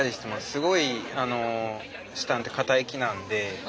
すごい紫檀って堅い木なんで。